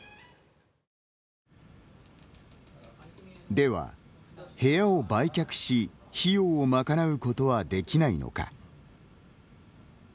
では、部屋を売却し費用を賄うことはできないのか。